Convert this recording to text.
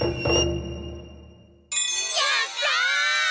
やった！